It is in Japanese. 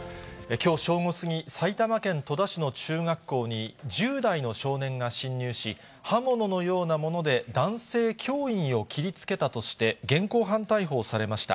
きょう正午過ぎ、埼玉県戸田市の中学校に、１０代の少年が侵入し、刃物のようなもので男性教員を切りつけたとして、現行犯逮捕されました。